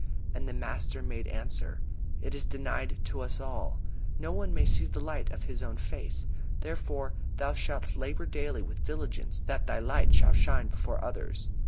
And the master made answer: "It is denied to us all. No one may see the light of his own face. Therefore thou shalt labor daily with diligence that thy light shall shine before others.